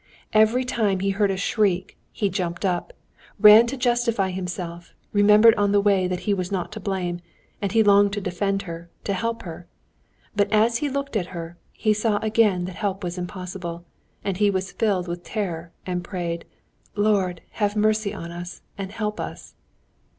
Every time he heard a shriek, he jumped up, ran to justify himself, remembered on the way that he was not to blame, and he longed to defend her, to help her. But as he looked at her, he saw again that help was impossible, and he was filled with terror and prayed: "Lord, have mercy on us, and help us!"